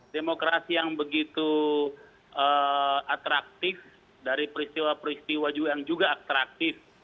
demokrasi yang begitu atraktif dari peristiwa peristiwa yang juga atraktif